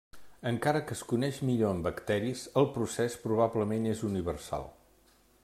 Encara que es coneix millor en bacteris, el procés probablement és universal.